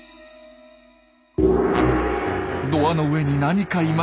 ドアの上に何かいます。